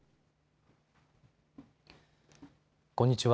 こんにちは。